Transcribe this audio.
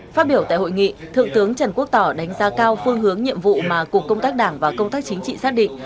phát biểu tại hội nghị thượng tướng trần quốc tỏ đánh giá cao phương hướng nhiệm vụ mà cục công tác đảng và công tác chính trị xác định